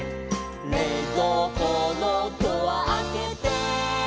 「れいぞうこのドアあけて」